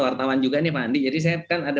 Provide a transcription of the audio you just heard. wartawan juga nih pak andi jadi saya kan ada